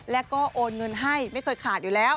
แล้วก็โอนเงินให้ไม่เคยขาดอยู่แล้ว